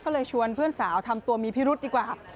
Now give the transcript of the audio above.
ก็เลยชวนเพื่อนสาวทำตัวมีพิรุษดีกว่า